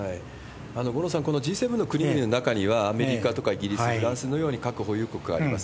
五郎さん、このＧ７の国々の中には、アメリカとかイギリス、フランスのように、核保有国があります。